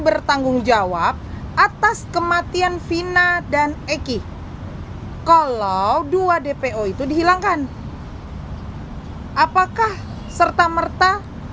bertanggung jawab atas kematian vina dan eki kalau dua dpo itu dihilangkan apakah serta merta